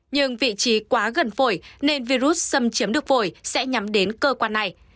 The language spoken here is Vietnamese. nhưng vị trí quá gần phổi nên virus xâm chiếm được phổi sẽ nhắm đến cơ quan này